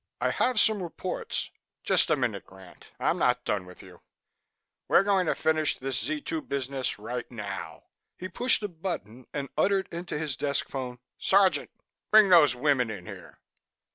I have some reports " "Just a minute, Grant. I'm not done with you. We're going to finish this Z 2 business right now." He pushed a button and uttered into his desk phone: "Sergeant! Bring those women in here."